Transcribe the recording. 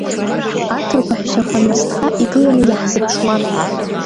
Аҭырқәа ҳәсақәа насҭха игыланы иаҳзыԥшуан.